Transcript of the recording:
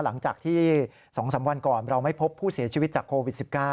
หลังจากที่๒๓วันก่อนเราไม่พบผู้เสียชีวิตจากโควิด๑๙